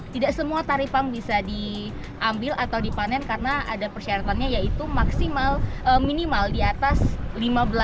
tidak semua taripang bisa diambil atau dipanen karena ada persyaratannya yaitu maksimal minimal di atas lima belas cm atau sejengkal ini